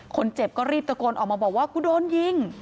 คนเจ็บก็รีบตะโกนออกมาบอกว่ากูโดนยิง